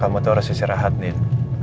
kamu tuh harus istirahat nih